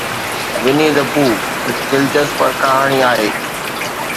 Winnie the Pooh هڪ دلچسپ ڪهاڻي آهي.